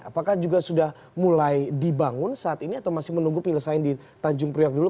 apakah juga sudah mulai dibangun saat ini atau masih menunggu penyelesaian di tanjung priok dulu